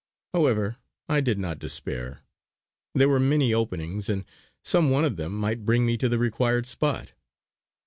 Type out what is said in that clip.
However I did not despair; there were many openings, and some one of them might bring me to the required spot.